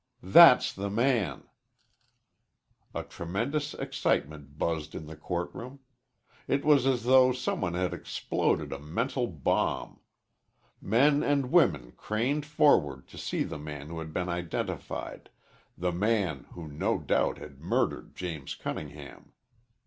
"That's the man!" A tremendous excitement buzzed in the courtroom. It was as though some one had exploded a mental bomb. Men and women craned forward to see the man who had been identified, the man who no doubt had murdered James Cunningham.